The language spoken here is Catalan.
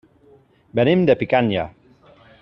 Venim de Picanya.